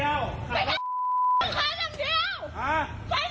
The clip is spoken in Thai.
ไม่ใช่แค่แค่แค่อย่างเดียว